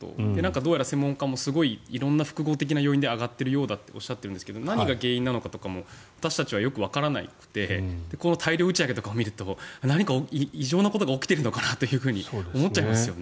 どうやら専門家もすごい色んな複合的な要因で上がっているようだとおっしゃっていますが何が原因なのかも私たちはよくわからなくて大量打ち上げを見ると何か異常なことが起きているのかなというふうに思っちゃいますよね。